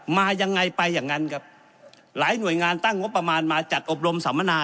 มายังไงไปอย่างนั้นครับหลายหน่วยงานตั้งงบประมาณมาจัดอบรมสัมมนา